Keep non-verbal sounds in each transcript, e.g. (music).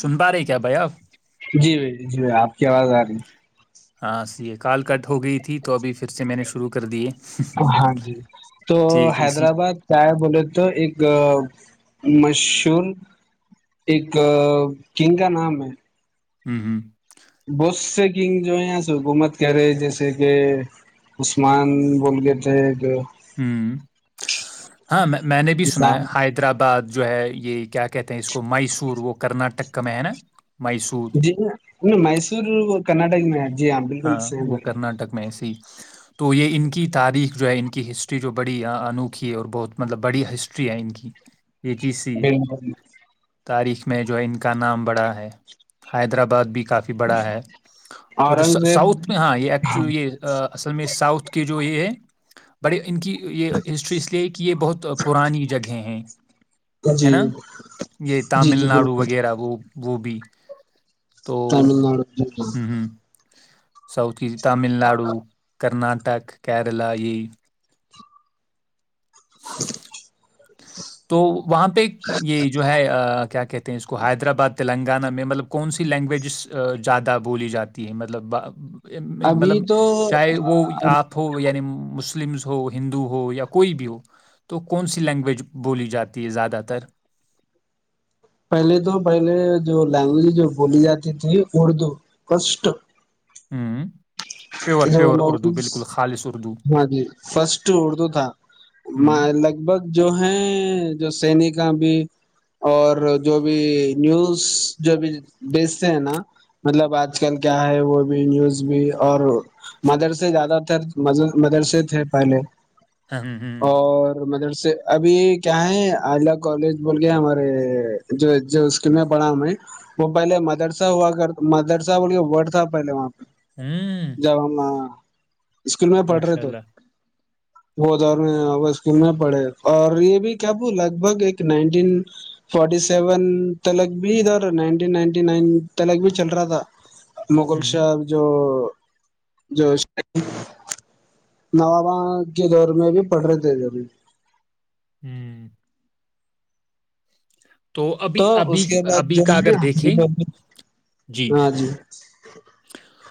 سن پا رہے کیا بھیاب (unintelligible) جی بھائی جی بھائی آپ (unintelligible) کیازاری (unintelligible) ہاں یہ کال کٹ ہو گئی تھی تو ابھی پھر سے میں نے شروع کر دیے ہاں جی تو ٹھیک ہے اسی حیدرآباد کیا ہے بولے تو ایک مشہور ایک کنگ کا نام ہے ہوں ہوں بہت سے کنگ جو ہے یہاں سے حکومت کہہ رہے جیسے کہ عثمان بول گئے تھے کہ ہوں ہاں میں میں نے بھی سنا ہے اسام حیدرآباد جو ہے یہ کیا کہتے ہیں اس کو (unintelligible) کو مائسور وہ کرناٹک (unintelligible) کمینا جی مسور کنا (inaudible) جی ہاں بالکل صحیح ب وہ کرناٹک میں ایسی تو یہ ان کی تاریخ جو ہے ان کی ہسٹری جو بڑی انوکھی ہے اور بہت مطلب بڑی ہسٹری ہے ان کی یہ چیز سی ج ہے (unintelligible) تاریخ میں جو ہے ان کا نام بڑا ہے حیدرآباد بھی کافی بڑا ہے اورنگزیب سؤتھ میں ہاں یہ ہاں ایکچولی یہ اصل میں ساؤتھ کے جو یہ ہے بڑے ان کی یہ ہسٹری اس لیے کہ یہ بہت پرانی جگہیں ہیں ہے جی نا یہ جی تامل جی ناڈو بالکل وغیرہ وہ وہ بھی تمل ناڈ سؤھ کی تامل ناڈو کرناٹک ناٹک کیرلا یہ ہ (inaudible) (unintelligible) تو وہاں پہ یہ جو ہے کیا کہتے ہیں اس کو حیدرآباد تلنگان گانہ میں مطلب کون سی لینگویجز زیادہ بولی جاتی ہے مطلب ابھی مطلب چاہے وہ تو آپ ہو یعنی مسلمس ہو ہندو ہو یا کوئی بھی ہو تو کون سی لینگویج بولی جاتی ہے زیادہ تر پہلے تو پہلے جو لینگویج جو بولی جاتی تھی اردو کسٹ ہوں پیور جو پیور اردو بالکل خالص اردو، ہاں جی فسٹ اردو تھا ہوں، لگ بھگ جو ہیں جو سینیک بھی اور جو بھی نیوز جو بھی بیچتے ہیں نا مطلب آج کل کیا ہے وہ بھی نیوز بھی اور مدر سے زیادہ مدرسے تھے پہلے ہاں، ہوں، ہوں، اور مدرس ابھی کیا ہے ائلہ کالج بول کے ہمارے جو اسکول میں پڑھا ہمیں وہ پہلے مدرسہ ہوا کر مدرسہ بول کے تھا پہلے وہاں پہ ہوں، جا (unintelligible) اسکول میں پڑھ رہے ماشاء تو اللہ، وہد میں اسکول میں پڑھے اور یہ بھی کیا ب لگ بھگ ایک نائنٹین فٹی سیون تلک بھی ادھر نائنین نائنٹی نائن تلک بھی چل رہا تھا مغل ہوں، شاب جو جو نوابا کے دور میں بھی پڑھ رہے تھے جوب بھی ہوں ابھی تو اس ابھی کے بعد ابھی جو کا ہے اگر دیکھیں ہاں جی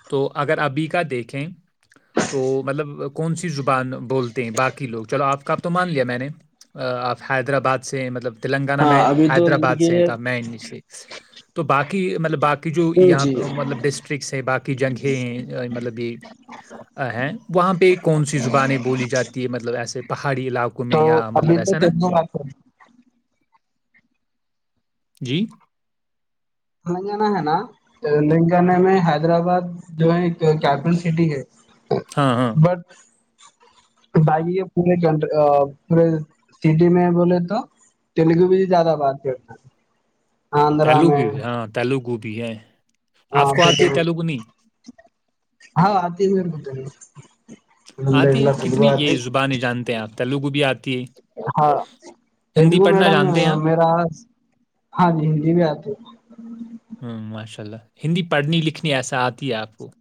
تو اگر ابھی کا دیکھیں تو مطلب کون سی زبان بولتے ہیں باقیوگ چلو آپ آپ تو مان لیا میں نے آپ حیدرآباد سے مطلب د ہاں میں ابھی تو حیدرآباد سے دیکھیے میں سے تو باقی مل باقی جو جی یہ مطلب ڈسٹرکس ہیں باقی جنگیں ہیں مطلب یہ ہیں وہاں پہ کون سی زبانیں بولی جاتی ہے مطلب ایسے پہاڑی علاقوں میں تو یا ابھی مطلب تو ایسا نا تیلگو بات کر جی تلنگانہ ہے نا تلنگانہ میں حیدرآباد جو ہے ایک کیپٹل سٹی ہے ہاں ہاں بٹ باقی یہ پورے کنٹ پورے سٹی میں بولے تو تیلگو میں ہی زیادہ بات کرتا ہے آندرا میں تیلو گوبھی ہے آپ کو آتی ہے تیلگو نہیں ہاں ہاں ت ہو آتی ہے کتنی یہ آتی زبانیں جانتے ہیں آپ تیلگو بھی آتی ہے ہاں ہندی تیلگو پڑھنا میڈم جانتے ہیں آپ میرا ہاں جی ہندی بھی آتی ہوں ماشاء اللہ ہندی پڑھنی لکھنی ایسا آتی ہے آپ کو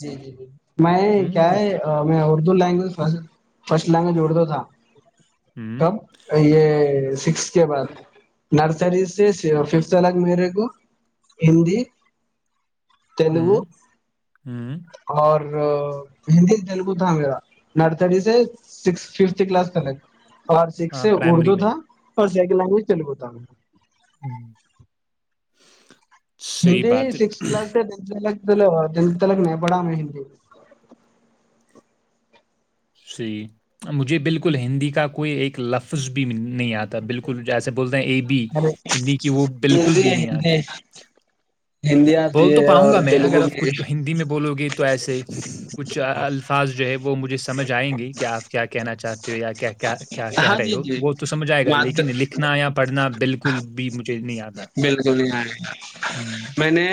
جی جی جی میں کیا ہوں ہے میں اور دو لینگو ف فرسٹ لینگوج جوڑتا تھا ہوں کب یہ (unintelligible) سکس کے بعد نرسری سے ففت الگ میرے کو ہندی تلگو ہوں ہوں اور ہندی تیلگو تھا میرا نرسری سے سک ففت کلاس کلک اور سک ہاں سے پرائمری اردو میں تھا اور سیکن لینگوج چل ہوتا ہ (unintelligible) ہندی بات س ہے ج تک نہیں پڑا جی سی مجھے بالکل ہندی کا کوئی ایک لفظ بھی نہیں آتا بالکل جیسے بولتے ہیں اے بی ارے ہندی کی وہ بالکل بھی نہیں ہندی آتا (unintelligible) بول تو ہے پاؤ گا اور میں اگر تیلگو آپ کچھ بھی ہندی میں بولو گے تو ایسے کچھ الفاظ جو ہے وہ مجھے سمجھ آئیں گے کہ آپ کیا کہنا چاہتے ہو یا کیا کیا کیا کہہ ہاں رہے جی ہو جی وہ تو سمجھ آئے گا ماد لیکن لکھنا یا پڑھنا بالکل بھی مجھے نہیں آتا بالکل ہے ہوں میں نے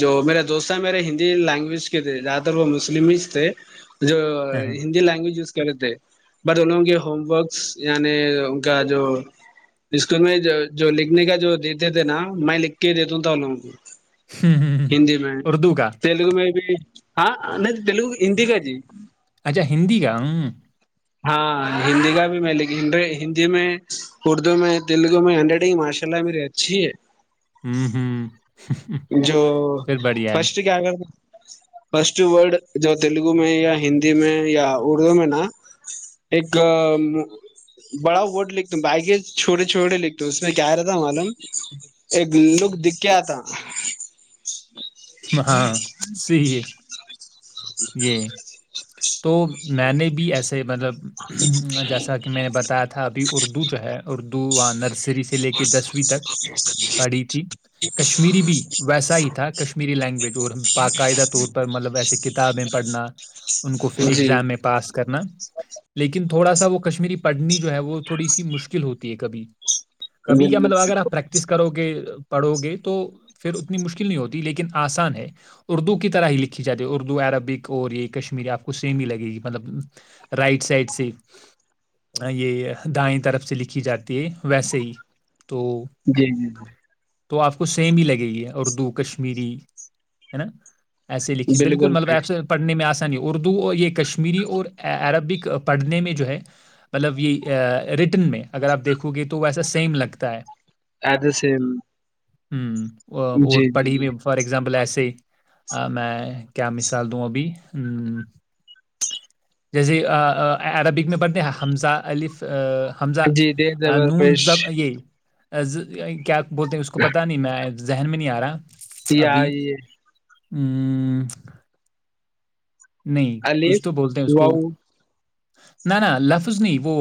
جو میرے دوست میرے ہندی لینگویج کے تھے زیادہ تر وہ مسلم تھے جو ہاں، ہندی لینگویج ی کرے تھے بٹ انوگوں کے ہوم ورکس یعنی ان کا جو اسکول میں جو لکھنے کا جو دیتے تھے نا میں لکھ کے ہی دیتاوں تھا ان لوگوں کو ہندی میں اردو کا تیلگو میں بھی ہاں نہیں تلگو ہندی کا جی ہندی کا ہوں ہاں ہندی کا بھی میں ل ہندی میں اردو میں تیلگو میں ہڈ رنگ ماشاء اللہ میری اچھی ہے ہوں ہوں جو پھر بڑھیا فرسٹ ہے کیا کر فسٹ ورڈ جو تیلگو میں یا ہندی میں یا اردو میں نا ایک بڑا ورڈ لکھتا ہوں بی چھوٹے چھوٹے لکھتا ہوں اس میں کیا رہتا معلوم ایک لک دکھ کے آتا اور (unintelligible) ہاں صی ہے یہ تو میں نے بھی ایسا سے مطلب جیسا کہ میں نے بتایا تھا ابھی اردو جو ہے اردو نرسری سے لے کے دسویں تک پڑھی تھی کشمیری بھی ویسا ہی تھا کشمیری لینگویج اور باقاعدہ طور پر مطلب ویسے کتابیں پڑھنا ان کو پھر جی ایگزام میں پاس کرنا لیکن تھوڑا سا وہ کشمیری پڑھنی ہے وہ تھوڑی سی مشکل ہوتی ہے کبھی کبھی کیا بالکل مطلب اگر آپ پریکٹس کرو گے پڑھو گے تو پھر اتنی مشکل نہیں ہوتی لیکن آسان ہے اردو کی طرح ہی لکھی جاتی اردو عربک اور یہ کشمیری آپ کو سیم ہی لگے گی مطلب رائٹ سائڈ سے یہ دائیں طرف سے لکھی جاتی ہے کہ ویسے ہی تو جی جی جی تو آپ کو سیم ہی لگے گی اردو کشمیری ہے نا ایسے لکھ جی بالکل ملب ایسے پڑنے میں آے نہیں اردو اور یہ کشمیری اور عربک پڑھنے میں جو ہے مطلب یہ ریٹن میں اگر آپ دیکھو گے تو ویسا سیم لگتا ہے ایٹ د سم ہوں اور پڑھی بھی فار ایگزامپل ایسے ی میں (unintelligible) کیا مثال دوں ابھی ہ جیسے عربک میں پڑھتے ہیں حمزہ الف حمزہ جی دیر زبر نون پیش جب یہ کیا (unintelligible) بولتے ہیں اس کو پتا نہیں میں ذہن میں نہیں آ رہا پ ابھی آئی ہے ہوں نہیں کچھ الف تو بولتے ہیں اس کو واؤ نہ ن لفظ نہیں وہ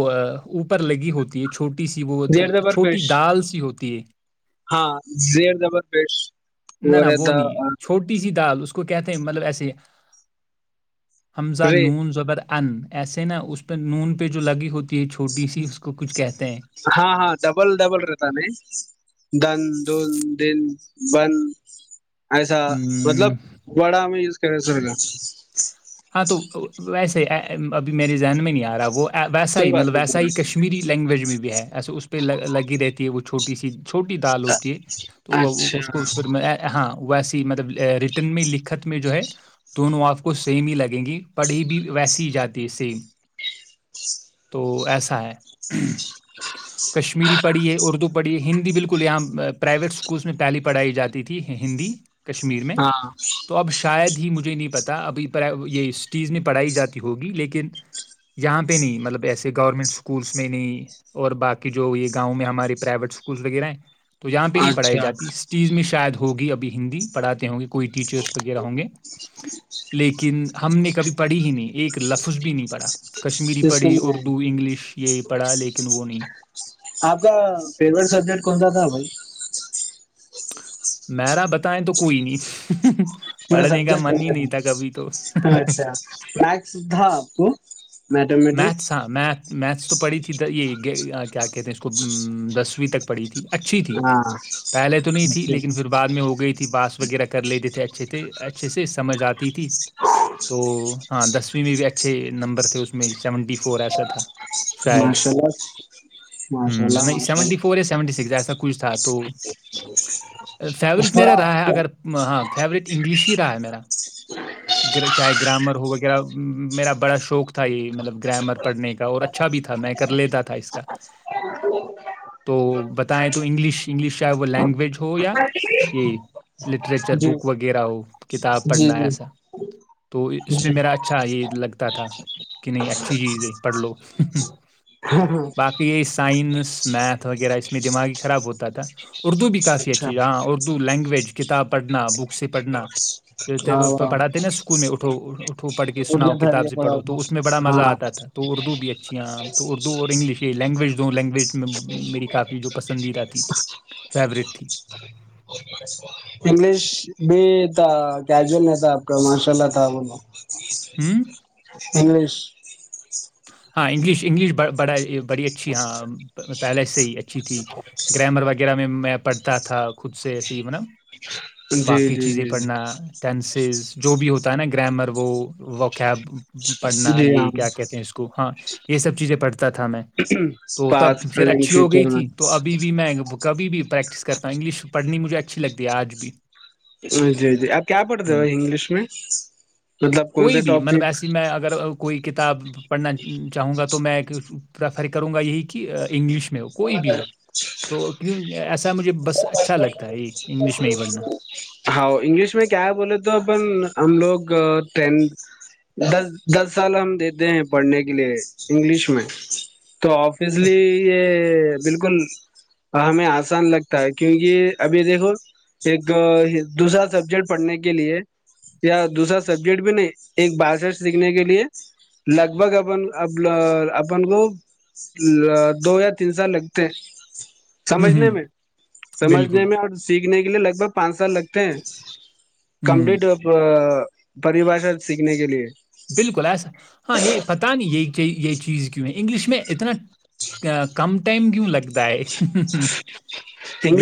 اوپر لگی ہوتی ہے چھوٹی سی وہ زیر زبر چھوٹی پیش دال سی ہوتی ت (unintelligible) ہاں زیر زبر پش وہ نہ نہ رہتا اور نہیں چھوٹی دال اس کو کہتے ہیں مطلب ایسے حمزہ رے نون زبر انن ایسے نا اس پہ نون پہ جو لگی ہوتی ہے چھوٹی سی اس کو کچھ کہتے ہیں ہاں ہاں ڈبل ڈبل رہتا ن دن دون دن بند ایسا مطلب ہم، بڑا میں چ سر گا ہاں تو ویسے ہی ابھی میرے ذہن میں نہیں آ رہا ہے وہ ویسا کوئی ہی مطلب بات ویسا ہی نہیں کشمیری لینگویج میں بھی ہے ایسا اس پہ لگی رہتی ہے وہ چھوٹی سی چھوٹی دال ہوتی ہے تو اچھا اس کو پھر میں ہاں ویسی مطلب ریٹرن میں لکھت میں جو ہے دونوں آپ کو سیم ہی لگیں گی پڑھی بھی ویسی ہی جاتی ہے سیم تو ایسا ہے کشمیری پڑھی ہے اردو پڑھی ہندی بالکل یہاں پرائیویٹ اسکولس میں پہلی پڑھائی جاتی تھی ہندی کشمیر میں ہاں تو اب شاید مجھے نہیں پتا ابھی یہ سٹیز میں پڑھائی جاتی ہوگی لیکن یہاں پہ نہیں مطلب ایسے گورنمنٹ اسکولس میں نہیں اور باقی جو یہ گاؤں میں ہمارے پرائیویٹ اسکولس وغیرہ ہیں تو یہاں پہ نہیں پڑھائی اچھا جاتی اس چیز میں شاید ہوگی اب ہندی پڑھاتے ہوں گے کوئی ٹیچرس وغیرہ ہوں گے لیکن ہم نے کبھی پڑھی ہی نہیں ایک ایک لفظ بھی نہیں پڑا اس یہ پڑھا لیکن وہ نہیں آپ کا فیوریٹ سبجیکٹ کون سا تھا بھائی میرا بتائیں تو کوئی نہیں پے پڑھنے سبٹ کا من ہی نہیں تھا کبھی تو اچھا سدا آپو میتھس ہاں میتھ میتھس تو پڑھی تھی یہ کیا کہتے ہیں اس کو دسویں تک پڑھی تھی اچھی تھی ہاں پہلے تو نہیں تھی لیکن پھر بعد میں ہو گئی تھی باس وغیرہ کر لیتے تھے اچھے تھے اچھے سے سمجھ آتی تھی تو ہاں دسویں میں بھی اچھے نمبر تھے اس میں سیونٹی فور ایسا تھا شاید ماشاء اللہ ماشاء ہم، اللہ نہیں ماشاء سیونٹی اللہ فور یا سیونٹی سکس ایسا کچھ تھا تو اس فیوریٹ کو میرا رہا ہے آپ کو اگر ہاں فیورٹ انگلش ہی رہا ہے میرا چاہے گرامر ہو وغیرہ میرا بڑا شوق تھا یہ مطلب گرامر پڑھنے کا اور اچھا بھی تھا میں کر لیتا تھا اس کا تو بتائیں تو انگلش انگلش چاہ وہ لینگویج ہو یا یہ لٹریچر جی بک وغیرہ ہو کتاب جی پڑھنا جی ایسا تو اس میں جی میرا اچھا یہ لگتا تھا تھا کہ نہیں اچھی چیز ہے پڑھ لو ہاں ہاں (unintelligible) باقی یہ سائنس میتھ وغیرہ اس میں دماغ ہی خراب ہوتا تھا اردو بھی سی اچھا اچھی ج ہاں اردو لینگویج کتاب پڑھنا بک سے پڑھنا جو ہاں پڑھاتے نا اسکول اٹھو پڑھ کے اڑیا سناؤ کتاب دھریا سے بڑا پڑھو تو اس میں بڑا مزہ ہاں آتا تھا تو اردو بھی اچھی آ تو اردو اور انگلش یہ لینگویج لینگویج میں میری کافی جو پسندیدہ تھی فیورٹ تھی انگلش بھی تھا کیجول نہیں تھا آپ کا ماشاء اللہ تھا بولو ہوں انگلش ہاں انگلش انگلش بڑا بڑی اچھی ہاں پہلے سے ہی اچھی تھی گرامر وغیرہ میں میں پڑھتا تھا خود سے صحی من جی باقی جی چیزیں جی پڑھنا ٹینس ز جو بھی ہوتا ہے نا گرامر وہ وقب جی ہاں یہ سب چیزیں پڑتا تھا میں تو تب پاس پھر پرزینٹ اچھی ہو گئی فیوچر تھی تو ابھی بھی میں کبھی بھی پریکٹس کرتا انگلش پڑھنی مجھے اچھی لگتی ہے آج بھی جی جی آپ کیا پڑھتے ہوں، ہوائی انگلش میں مطلب کون کوئی سے بھی مطلب ٹاپک ایسی میں اگر آ، کوئی کتاب پڑھنا چاہوں گا تو میں پریفر کروں گا یہی کہ انگلش میں ہو کوئی بھی ہو تو کیوں ایسا مجھے بس اچھا لگتا ہے یہ انگلش میں ہی پڑھنا ہاں انگلش میں کیا ہے بولے تو اپن ہم لوگ ٹین دس سال ہم دیتے ہیں پڑھنے کے لیے انگلش میں تو اچ- آفیسلی یہ بالکل ہمیں آسان لگتا ہے کیونکہ ابھی دیکھو ایک دوسرا سبجیکٹ پڑھنے کے لیے یا دوسرا سبجیکٹ بھی نہیں ایک بارشٹ سیکھنے کے لیے لگ بھگ اپن اپن کو دو یا تین سال لگتے ہیں ہوں، سمجھنے ہوں، میں بالکل، سمجھنے میں اور سیکھ نے کےے لگ بگ پانچ سال لگے پس ہوں۔ کمپلیٹ پریباشا سیکھنے کے لیے بالکل ایسا ہاں یہ پتا نہیں یہی یہ چیز کیوں ہے انگلش میں اتنا کم ٹائم کیوں لگتا ہے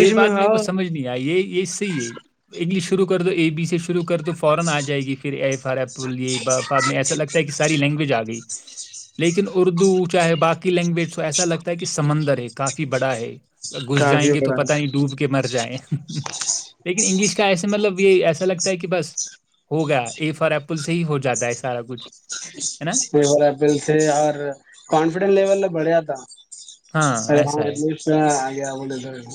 یہ میں بات میرے کو ہو سمجھ نہیں آئی یہ یہ صحیح ہے انگلش شرو کر دو ای بی سے شرو تو فورا ا جائے گی (unintelligible) بد میں ایسا لگتا ہے کہ ساری لینگویج آ گئی لیکن اردو چاہے باقی لینگویج (unintelligible) ایسا لگتا ہے کہ سمندر ہے کافی بڑا ہے ج (unintelligible) (inaudible) گھس جائیں کافی گے تو بڑا پتہ نہیں ڈوب کے مر جائیں لیکن انگلش کا ایسے مطلب یہ ایسا لگتا ہے کہ بس ہو گیا ای فار ایپل سے ہی ہو جاتا ہے ایسا وہل تھے اور کانفیڈینس لیول بڑھے آ ہ (unintelligible) ہاں ار ایسا (unintelligible) ہے دیا بول در (unintelligible)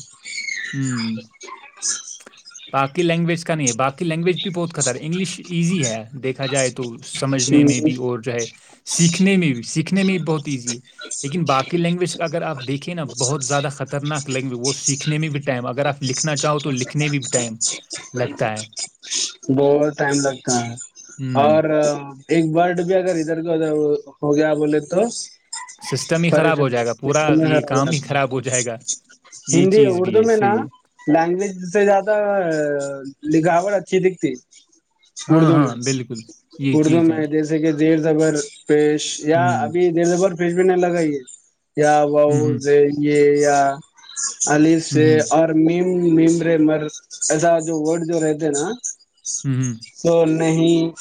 (inaudible) (inaudible) بقی لینگویج کا نہیں ہے باقی (unintelligible) لینگویج بھی بہت خطر ہے انگلش ایزی ہے دھا جائے تو تو سمجھنے میں بھی ہوں، اور جو ہے (unintelligible) سیکھنے میں بھی سیکھنے میں بھی بہت ایزی ہے لیکن باقی لینگویج کا اگر آپ دیکھیں نا بہت زیادہ خطرناک لینگویج وہ سیکھنے میں بھی ٹائم ہے اگر آپ لکھنا چاہو توکھ تنے بھی ٹائم لگتا ہے بہت ٹائم لگتا ہے ہوں اور ایک برڈ بھی اگر ادھر کا ادھر ہو گیا بولے تو سسٹم ہی خراب ہو جائے گا پورا پریشانی خ یہ ہو کام ہی جات خراب ہو جائے گا یہ ہندی چیز بھی اردو ہے میں نا صحیح ہے لینگویج سے زیادہ لکھاوٹ کھ دیککھتی ہاں اردو میں ہاں بالکل یہ اردو چیز ہے میں جیسے کہ دیر زگر پیش یا ہوں ابھی دیر د بھر فریج بھی نہیں لگائی ہے کیا ہوں ہوں بؤز یہ پیا علی سے ہوں اور می ممرے مر ایسا جو ورڈ جو رہتے ہیں نا ہوں ہوں تو نہیں